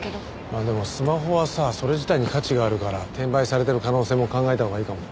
まあでもスマホはさそれ自体に価値があるから転売されてる可能性も考えたほうがいいかも。